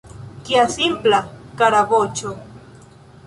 Kia simpla, kara voĉo!